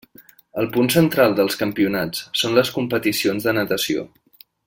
El punt central dels campionats són les competicions de natació.